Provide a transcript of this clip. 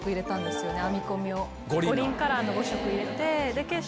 五輪カラーの５色入れて。